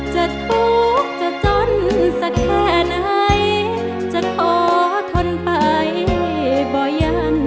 จะทุกข์จะจนสักแค่ไหนจะขอทนไปบ่ยัน